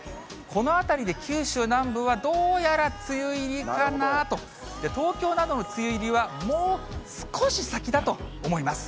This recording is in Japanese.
このあたりで九州南部はどうやら梅雨入りかなと、東京などの梅雨入りは、もう少し先だと思います。